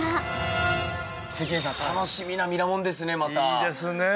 いいですね。